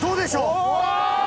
お！